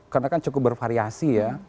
karena kan cukup bervariasi ya